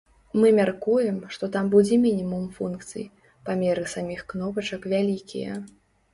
Мы мяркуем, што там будзе мінімум функцый, памеры саміх кнопачак вялікія.